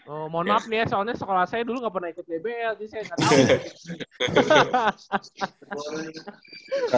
oh mohon maaf nih ya soalnya sekolah saya dulu nggak pernah ikut dbl jadi saya nggak tahu